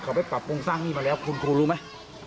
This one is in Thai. เขาไปปรับปรุงสร้างหนี้มาแล้วคุณครูรู้ไหม